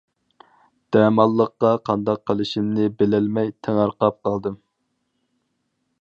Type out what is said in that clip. دەماللىققا قانداق قىلىشىمنى بىلەلمەي تېڭىرقاپ قالدىم.